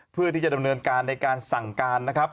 เพื่อที่จะดำเนินการในการสั่งการนะครับ